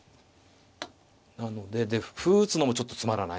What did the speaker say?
なのでで歩打つのもちょっとつまらない。